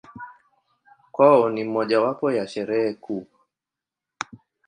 Kwao ni mojawapo ya Sherehe kuu.